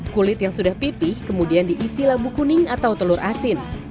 kulit yang sudah pipih kemudian diisi labu kuning atau telur asin